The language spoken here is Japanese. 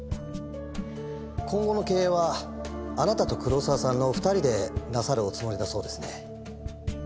今後の経営はあなたと黒沢さんの２人でなさるおつもりだそうですね？